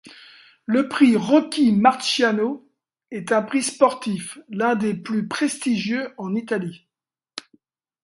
Le prix Rocky Marciano est un prix sportif, l'un des plus prestigieux en Italie.